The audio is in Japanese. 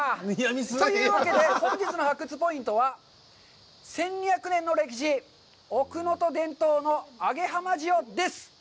というわけで、本日の発掘ポイントは、「１２００年の歴史、奥能登伝統の揚げ浜塩」です。